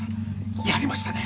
やりましたね！